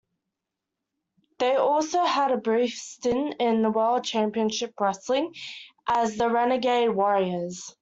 They also had a brief stint in World Championship Wrestling as "The Renegade Warriors".